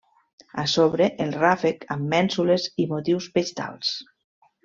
A sobre, el ràfec amb mènsules i motius vegetals.